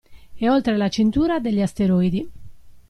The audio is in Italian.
E oltre la cintura degli asteroidi.